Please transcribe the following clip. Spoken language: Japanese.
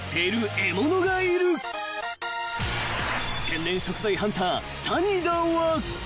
［天然食材ハンター谷田は］